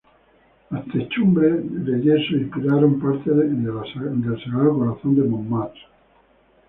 Las techumbres de yeso inspiraron parte de la Sagrado Corazón de Montmartre.